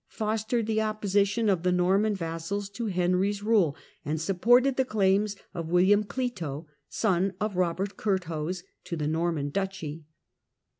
fostered the opposition of the Norman vassals to Henry's rule, and supported the claims of V^illiam Clito, son of Eobert Curthose, to the Norman duchy.